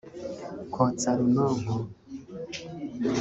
kotsa runonko